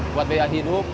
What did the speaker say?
buat biaya hidup